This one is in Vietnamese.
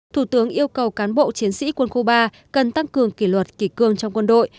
thủ tướng yêu cầu cán bộ chiến sĩ quân khu ba cần tăng cường kỷ luật kỷ cương trong quân đội